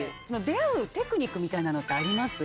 出会うテクニックみたいなのってあります？